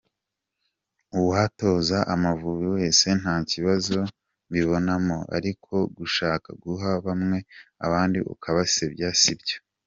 Uwatoza Amavubi wese nta kibazo mbibonamo ariko gushaka guha bamwe abandi ukabasebya sibyo.